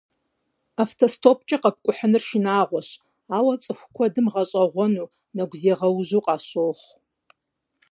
Автостопкӏэ къэпкӏухьыныр шынагъуэщ, ауэ цӏыху куэдым гъэщӏэгъуэну, нэгузегъэужьу къащохъу.